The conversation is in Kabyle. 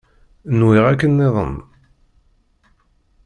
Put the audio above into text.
Nwiɣ akken-nniḍen.